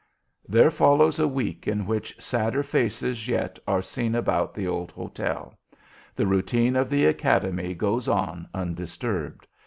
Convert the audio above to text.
There follows a week in which sadder faces yet are seen about the old hotel. The routine of the Academy goes on undisturbed.